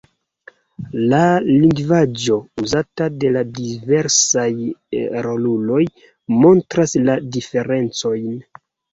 La lingvaĵo uzata de la diversaj roluloj montras la diferencojn.